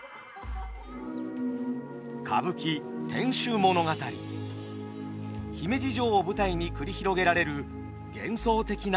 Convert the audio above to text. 歌舞伎姫路城を舞台に繰り広げられる幻想的な美の世界。